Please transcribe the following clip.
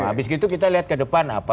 abis itu kita lihat ke depan apa